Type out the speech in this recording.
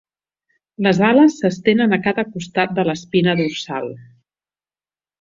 Les ales s'estenen a cada costat de l'espina dorsal.